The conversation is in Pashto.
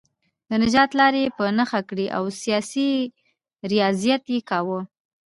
د نجات لارې یې په نښه کړې او سیاسي ریاضت یې کاوه.